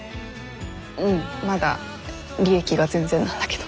うんまだ利益が全然なんだけど。